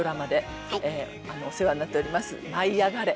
「舞いあがれ！」。